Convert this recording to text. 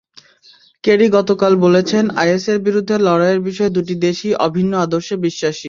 Kerry গতকাল বলেছেন, আইএসের বিরুদ্ধে লড়াইয়ের বিষয়ে দুটি দেশই অভিন্ন আদর্শে বিশ্বাসী।